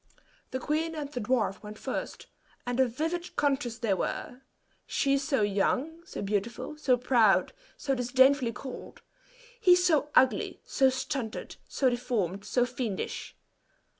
The queen and the dwarf went first, and a vivid contrast they were she so young, so beautiful, so proud, so disdainfully cold; he so ugly, so stunted, so deformed, so fiendish.